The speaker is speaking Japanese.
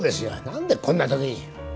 何でこんなときに。